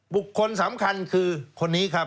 บุคคลสำคัญคือคนนี้ครับ